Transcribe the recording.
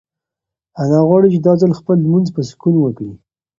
انا غواړي چې دا ځل خپل لمونځ په سکون وکړي.